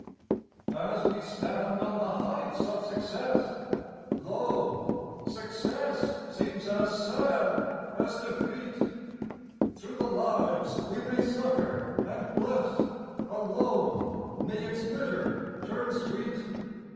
As we stand on the heights of success, Lo! success seems as sad as defeat! Through the lives we may succour and bless Alone may its litter turn sweet!